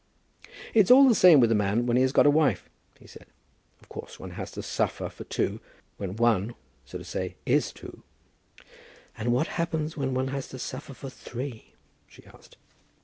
"It's all the same with a man when he has got a wife," he said. "Of course one has to suffer for two, when one, so to say, is two." "And what happens when one has to suffer for three?" she asked.